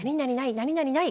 何々ない。